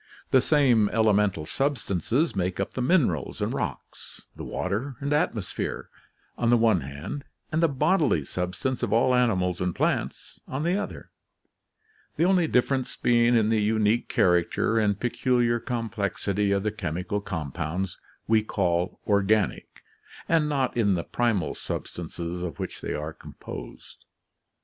The same elemental substances make up the minerals and rocks, the water and atmosphere, on the one hand, and the bodily substance of all animals and plants on the other, the only difference being in the unique character and peculiar com plexity of the chemical compounds we call organic, and not in the primal substances of which they are composed.